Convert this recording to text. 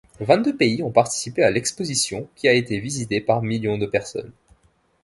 Vingt-deux pays ont participé à l'exposition qui a été visitée par millions de personnes.